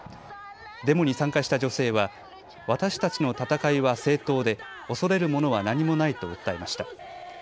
デモに参加した女性は私たちの闘いは正当で恐れるものは何もないと訴えました。